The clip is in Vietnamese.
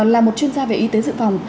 là một chuyên gia về y tế dự phòng